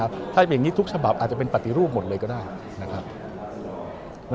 ความแบตแบบอย่างนี้ทุกฉบับอาจจะเป็นปฏิรูปหมดเลยก็ได้